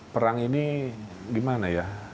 perang ini gimana ya